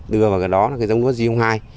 đưa vào cái đó là cái giống lúa g hai